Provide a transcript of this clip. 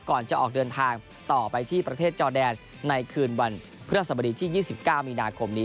ก่อนจะออกเดินทางต่อไปที่ประเทศจอแดนในคืนวันพฤศบดีที่๒๙มีนาคมนี้